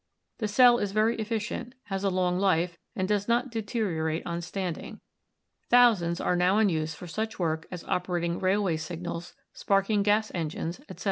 The cell is very efficient, has a long life, and does not deterio rate on standing. Thousands are now in use for such work as operating railway signals, sparking gas engines, etc.